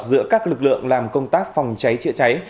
giữa các lực lượng làm công tác phòng cháy chữa cháy